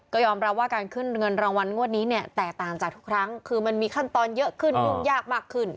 ก็ยอมรับว่าการขึ้นเงินรางวัลงวดนี้เนี่ยแตกต่างจากทุกครั้งคือมันมีขั้นตอนเยอะขึ้นยุ่งยากมากขึ้น